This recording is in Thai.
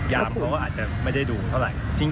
เขาก็อาจจะไม่ได้ดูเท่าไหร่